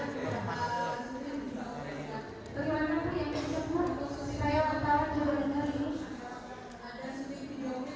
kepentingan kami bagi jepang karena saya di dalam pelaku kuasa pelalu